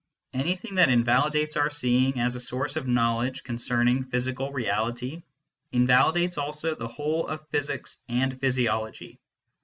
Anything that invalidates our seeing, as a source of knowledge concerning physical reality, invalidates also the whole of physics and physiology.